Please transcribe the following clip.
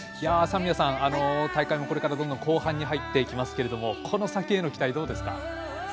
三宮さん、大会もこれから後半に入っていきますけどこの先への期待、どうですか。